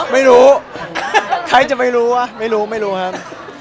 ไม่รู้ใครจะไม่รู้อ่ะไม่รู้ไม่รู้ครับ